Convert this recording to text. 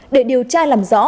để điều tra làm rõ